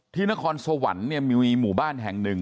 ที่นครสวรรค์มีหมู่บ้านแห่งหนึ่ง